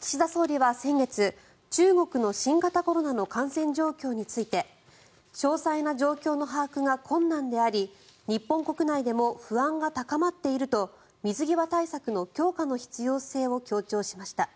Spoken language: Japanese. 岸田総理は先月中国の新型コロナの感染状況について詳細な状況の把握が困難であり日本国内でも不安が高まっていると水際対策の強化の必要性を強調しました。